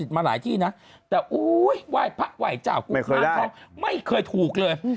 ไม่เคยถูกเลย